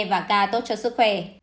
và k tốt cho sức khỏe